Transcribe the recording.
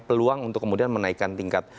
peluang untuk kemudian menaikkan tingkat